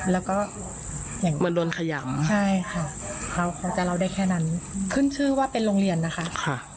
แล้วก็อย่างนี้ใช่ค่ะเขาจะเล่าได้แค่นั้นคืนชื่อว่าเป็นโรงเรียนนะคะ